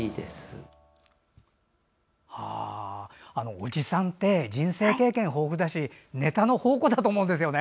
おじさんって人生経験が豊富だしネタの宝庫だと思うんですよね。